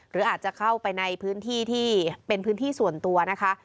หรืออาจจะเข้าไปในพื้นที่ที่เป็นพื้นที่ส่วนตัวนะคะ